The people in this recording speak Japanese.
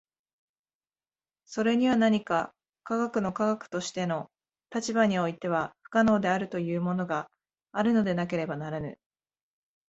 それには何か科学の科学としての立場においては不可能であるというものがあるのでなければならぬ。